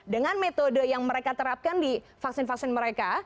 dengan metode yang mereka terapkan di vaksin vaksin mereka